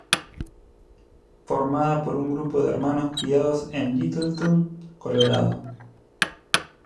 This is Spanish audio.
Formada por un grupo de hermanos criados en Littleton, Colorado.